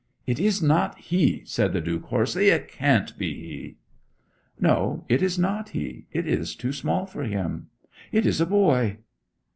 'It is not he!' said the Duke hoarsely. 'It can't be he!' 'No, it is not he. It is too small for him. It is a boy.'